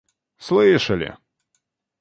слышали